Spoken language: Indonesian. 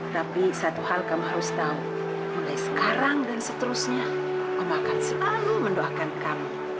tapi satu hal kamu harus tahu mulai sekarang dan seterusnya allah akan selalu mendoakan kami